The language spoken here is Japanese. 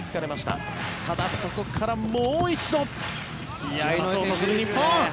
ただ、そこからもう一度突き放そうとする日本。